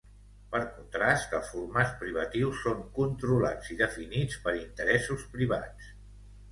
Per contrast, els formats privatius són controlats i definits per interessos privats.